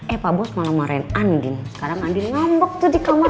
eh pak bos malah marahin andin sekarang andin ngambek tuh di kamar